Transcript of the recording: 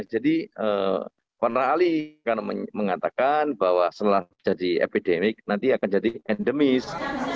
jadi panra ali mengatakan bahwa setelah jadi epidemik nanti akan jadi endemis